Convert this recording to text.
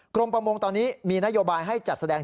ประมงตอนนี้มีนโยบายให้จัดแสดง